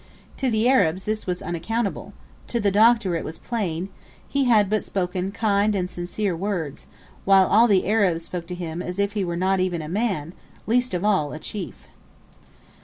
To the Arabs this was unaccountable to the Doctor it was plain: he had but spoken kind and sincere words, while all the Arabs spoke to him as if he were not even a man, least of all a chief.